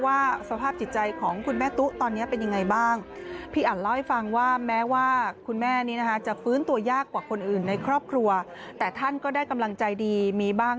ว่าสภาพจิตใจของคุณแม่ตุ๊กตอนนี้เป็นยังไงบ้าง